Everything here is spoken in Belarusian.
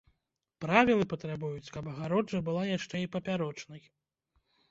Правілы патрабуюць, каб агароджа была яшчэ і папярочнай.